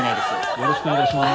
よろしくお願いします。